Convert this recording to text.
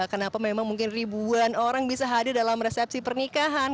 kenapa memang mungkin ribuan orang bisa hadir dalam resepsi pernikahan